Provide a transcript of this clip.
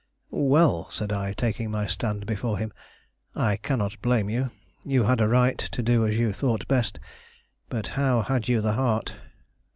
"Well," said I, taking my stand before him, "I cannot blame you. You had a right to do as you thought best; but how had you the heart?